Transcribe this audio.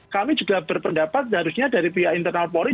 kami juga berpendapat harusnya dari pihak internal polri